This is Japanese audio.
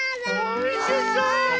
おいしそう！